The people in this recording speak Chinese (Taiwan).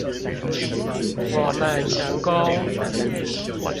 我們成功